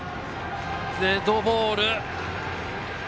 デッドボール。